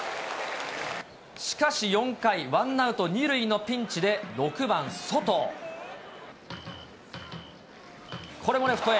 しかし４回、ワンアウト２塁のピンチで６番ソト。